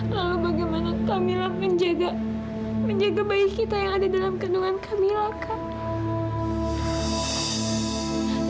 lalu bagaimana kamila menjaga menjaga bayi kita yang ada dalam kendungan kamila kak